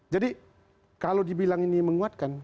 jadi kalau dibilang ini menguatkan